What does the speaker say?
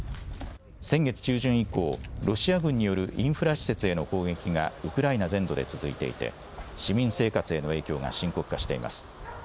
先月中旬以降、ロシア軍によるインフラ施設への攻撃がウクライナ全土で続いていて、市民生活への影響が深刻化しています。